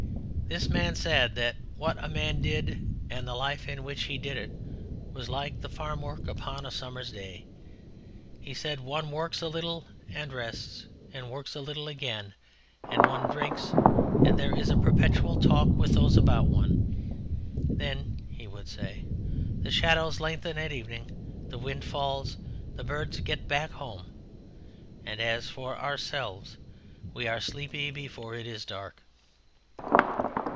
This man said that what a man did and the life in which he did it was like the farmwork upon a summer's day. He said one works a little and rests, and works a little again, and one drinks, and there is a perpetual talk with those about one. Then (he would say) the shadows lengthen at evening, the wind falls, the birds get back home. And as for ourselves, we are sleepy before it is dark.